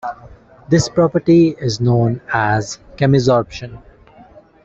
This property is known as chemisorption.